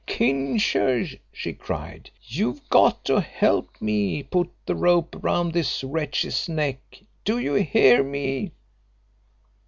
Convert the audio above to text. "Kincher," she cried, "you've got to help me put the rope round this wretch's neck. Do you hear me?"